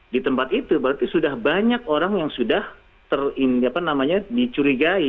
di tempat itu berarti sudah banyak orang yang sudah terin apa namanya dicurigai